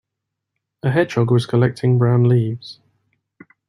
A hedgehog was collecting brown leaves.